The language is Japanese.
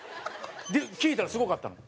で聞いたらすごかったの？